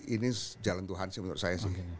ini jalan tuhan menurut saya